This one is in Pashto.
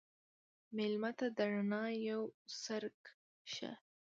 مېلمه ته د رڼا یو څرک شه.